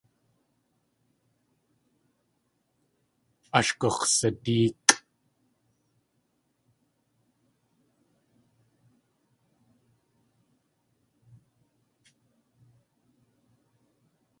Ash gux̲sadéekʼ.